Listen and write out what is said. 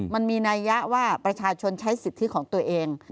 มันมีนัยยะว่าประชาชนใช้สิทธิของตัวเอง